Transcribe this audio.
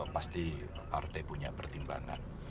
pasti partai punya pertimbangan